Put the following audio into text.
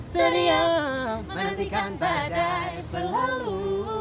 teriak menantikan badai berlalu